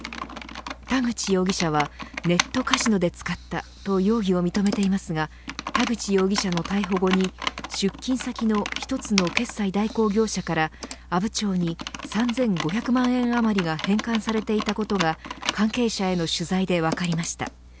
田口容疑者はネットカジノで使ったと容疑を認めていますが田口容疑者の逮捕後に出金先の１つの決済代行業者から阿武町に３５００万円あまりが返還されていたことが関係者への取材で分かりました。